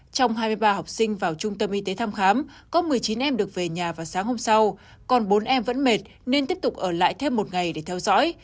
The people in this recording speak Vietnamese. trong hai mươi ba học sinh vào trung tâm y tế thăm khám có một mươi chín em được về nhà vào sáng hôm sau còn bốn em vẫn mệt nên tiếp tục ở lại thêm một ngày để theo dõi